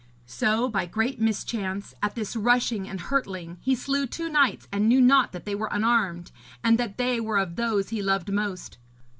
So, by great mischance, at this rushing and hurtling, he slew two knights and knew not that they were unarmed, and that they were of those he loved most.